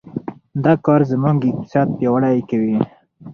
دا کار زموږ اقتصاد پیاوړی کوي.